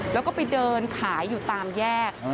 แล้วก็ไปเดินขายอยู่ตามแยก